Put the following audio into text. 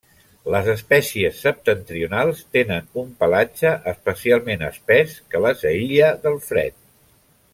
Les espècies septentrionals tenen un pelatge especialment espès que les aïlla del fred.